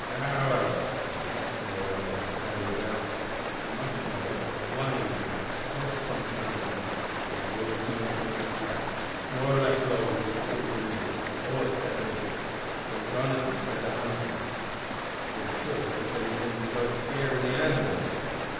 "However, that's not what I've got to tell 'ee about. You must know that one evening, close upon sundown, we was all returnin' from our traps more or less loaded wi' skins an' meat, all except Miffy, who had gone, as he said, a huntin'. Bin truer if he'd said he meant to go around scarin' the animals.